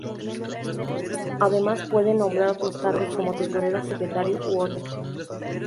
Además, pueden nombrar otros cargos como: Tesorero, Secretario u otros.